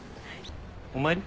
お参り？